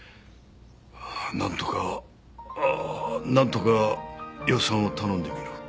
なんとかなんとか予算を頼んでみる。